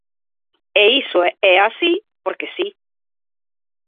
E iso é así... porque si.